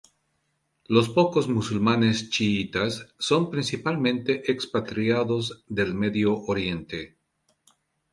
Los pocos musulmanes chiítas son principalmente expatriados del Medio Oriente.